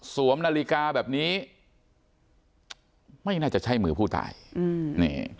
นาฬิกาแบบนี้ไม่น่าจะใช่มือผู้ตายอืมนี่